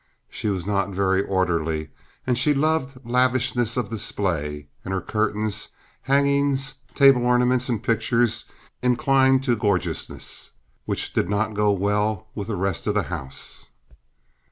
She was not very orderly, and she loved lavishness of display; and her curtains, hangings, table ornaments, and pictures inclined to gorgeousness, which did not go well with the rest of the house.